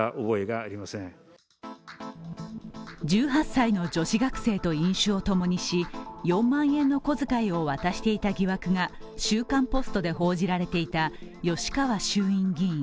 １８歳の女子学生と飲酒を共にし４万円の小遣いを渡していた疑惑が「週刊ポスト」で報じられていた吉川衆院議員。